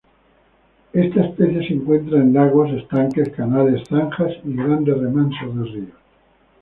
Esta especie se encuentra en lagos, estanques, canales, zanjas y grandes remansos de ríos.